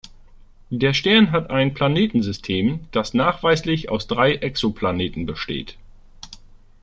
Der Stern hat ein Planetensystem, das nachweislich aus drei Exoplaneten besteht.